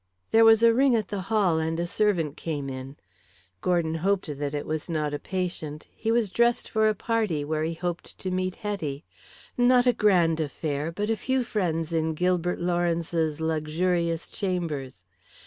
There was a ring at the hall and a servant came in. Gordon hoped that it was not a patient. He was dressed for a party, where he hoped to meet Hetty; not a grand affair, but a few friends in Gilbert Lawrence's luxurious chambers.